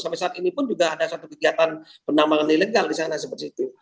sampai saat ini pun juga ada satu kegiatan penambangan ilegal di sana seperti itu